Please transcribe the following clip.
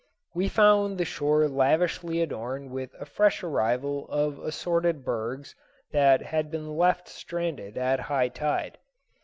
We found the shore lavishly adorned with a fresh arrival of assorted bergs that had been left stranded at high tide.